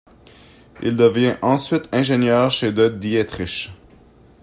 Il devient ensuite ingénieur chez De Dietrich.